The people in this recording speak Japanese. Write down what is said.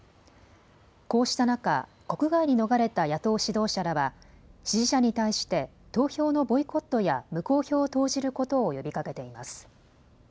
こうした中、国外に逃れた野党指導者らは支持者に対して投票のボイコットや無効票を投じることを呼びかけています。